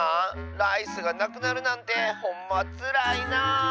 ライスがなくなるなんてほんまつらいなあ。